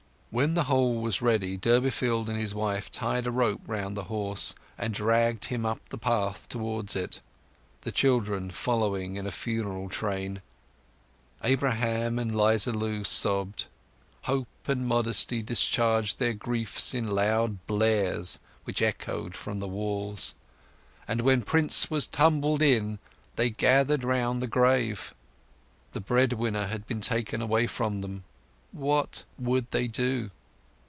When the hole was ready, Durbeyfield and his wife tied a rope round the horse and dragged him up the path towards it, the children following in funeral train. Abraham and 'Liza Lu sobbed, Hope and Modesty discharged their griefs in loud blares which echoed from the walls; and when Prince was tumbled in they gathered round the grave. The bread winner had been taken away from them; what would they do?